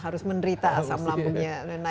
harus menderita asam lambungnya